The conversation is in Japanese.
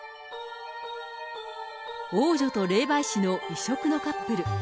王女と霊媒師の異色のカップル。